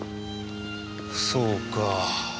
そうか。